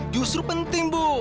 justru penting bu